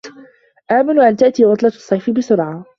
آمل أن تأتي عطلة الصيف بسرعة.